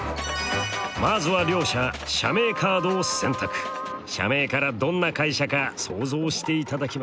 まずは両者社名からどんな会社か想像していただきます。